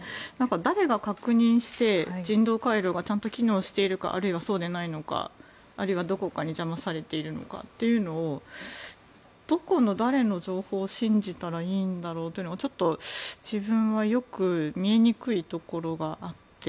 誰が確認して人道回廊がちゃんと機能しているかあるいはそうでないのかあるいはどこかに邪魔されているのかというのをどこの誰の情報を信じたらいいんだろうというのがちょっと自分はよく見えにくいところがあって。